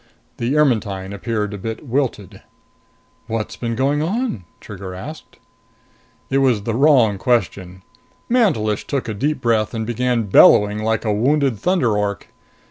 The Ermetyne appeared a bit wilted. "What's been going on?" Trigger asked. It was the wrong question. Mantelish took a deep breath and began bellowing like a wounded thunder ork.